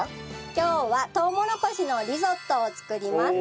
今日はとうもろこしのリゾットを作ります。